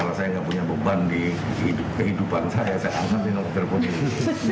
kalau saya tidak punya beban di kehidupan saya saya angkat di nomor telepon ini